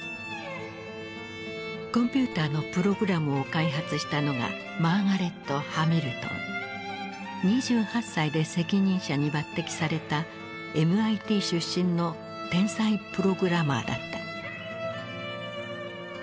コンピューターのプログラムを開発したのが２８歳で責任者に抜擢されたＭＩＴ出身の天才プログラマーだった。